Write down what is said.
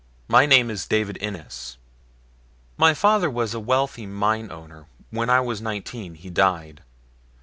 My name is David Innes. My father was a wealthy mine owner. When I was nineteen he died.